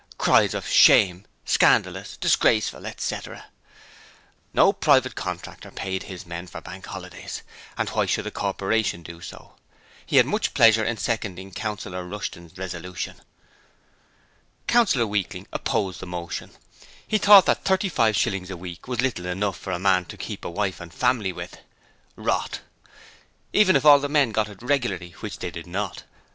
(Cries of 'shame', 'Scandalous', 'Disgraceful', etc.) No private contractor paid his men for Bank Holidays, and why should the Corporation do so? He had much pleasure in seconding Councillor Rushton's resolution. Councillor Weakling opposed the motion. He thought that 35/ a week was little enough for a man to keep a wife and family with (Rot), even if all the men got it regularly, which they did not.